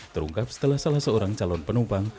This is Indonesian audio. terungkap setelah salah seorang calon penumpang